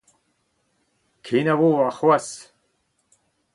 Kenavo warc'hoazh.